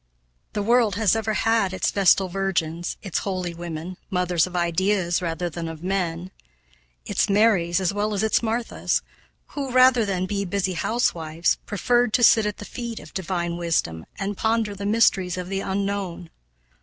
The world has ever had its vestal virgins, its holy women, mothers of ideas rather than of men; its Marys, as well as its Marthas, who, rather than be busy housewives, preferred to sit at the feet of divine wisdom, and ponder the mysteries of the unknown.